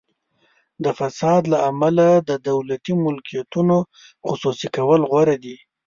د فساد له امله د دولتي ملکیتونو خصوصي کول غوره دي.